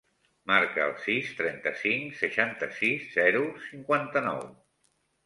Marca el sis, trenta-cinc, seixanta-sis, zero, cinquanta-nou.